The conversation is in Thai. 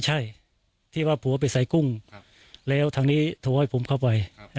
ใช่ที่ว่าผัวไปใส่กุ้งแล้วทางนี้โทรให้ผมเข้าไป